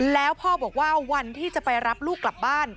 แล้วพ่อบอกว่าวันที่จะไปรับลูกกลับบ้าน